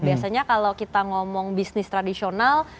biasanya kalau kita ngomong bisnis tradisional